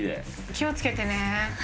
気をつけてね。